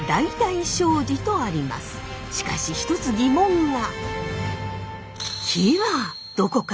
しかし一つ疑問が。